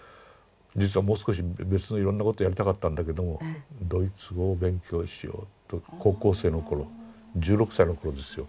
実はもう少し別のいろんなことやりたかったんだけどもドイツ語を勉強しようと高校生の頃１６歳の頃ですよ